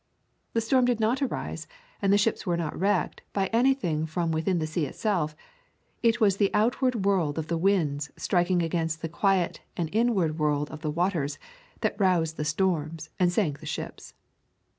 The storm did not arise and the ships were not wrecked by anything from within the sea itself; it was the outward world of the winds striking against the quiet and inward world of the waters that roused the storms and sank the ships.